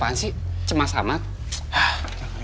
yang banyak bantuan